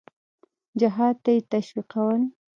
جهاد ته یې تشویقول.